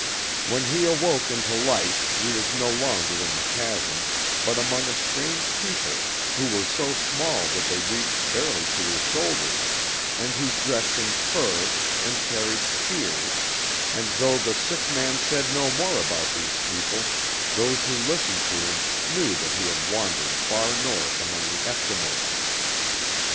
When he awoke into life he was no longer in the chasm, but among a strange people who were so small that they reached barely to his shoulders, and who dressed in fur, and carried spears, and though the sick man said no more about these people those who listened to him knew that he had wandered far north among the Eskimos.